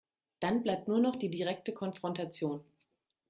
Dann bleibt nur noch die direkte Konfrontation.